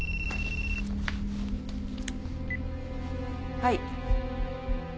はい。